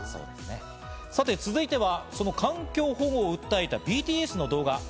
さて続いては、その環境保護を訴えたＢＴＳの動画。